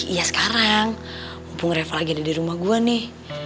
iya sekarang mumpung reva lagi ada di rumah gue nih